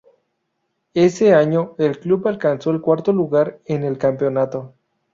Ese año, el club alcanzó el cuarto lugar en el campeonato.